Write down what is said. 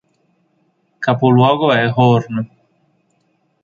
Capoluogo è Hoorn.